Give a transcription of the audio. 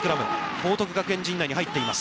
報徳学園陣内に入っています。